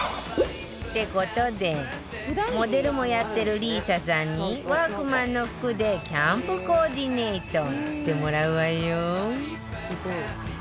って事でモデルもやってる里依紗さんにワークマンの服でキャンプコーディネートしてもらうわよ